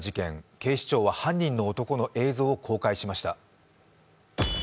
警視庁は犯人の男の映像を公開しました。